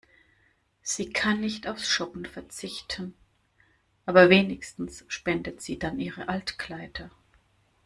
Sie kann nicht aufs Shoppen verzichten, aber wenigstens spendet sie dann ihre Altkleider.